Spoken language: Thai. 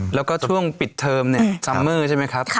แล้วก็ช่วงปิดเทอมเนี่ยซัมเมอร์ใช่ไหมครับ